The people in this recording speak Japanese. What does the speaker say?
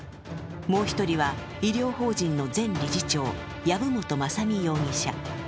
もう一人は医療法人の前理事長、籔本雅巳容疑者。